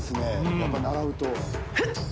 やっぱり習うと。